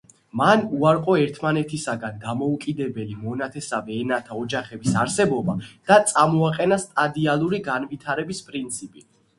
მან უარყო ერთმანეთისაგან დამოუკიდებელი მონათესავე ენათა ოჯახების არსებობა და წამოაყენა სტადიალური განვითარების პრინციპი.